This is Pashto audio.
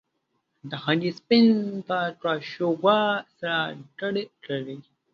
د هګۍ سپین په کاشوغه سره ګډ کړئ.